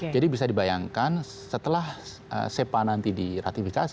jadi bisa dibayangkan setelah sepa nanti di ratifikasi